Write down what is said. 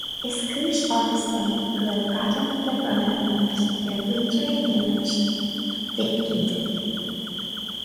Is cúis áthais dom go bhfuil Gradam le bronnadh anocht ar Mhuintir Shéamuis Mhic Géidigh